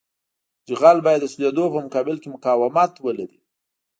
جغل باید د سولېدو په مقابل کې مقاومت ولري